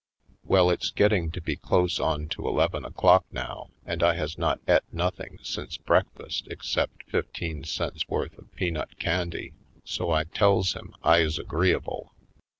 Well, it's getting to be close onto eleven o'clock now and I has not et nothing since breakfast except fifteen cents' worth of pea nut candy, so I tells him I is agreeable.